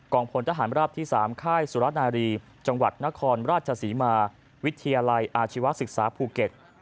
พลทหารราบที่๓ค่ายสุรนารีจังหวัดนครราชศรีมาวิทยาลัยอาชีวศึกษาภูเก็ต